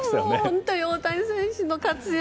本当に大谷選手の活躍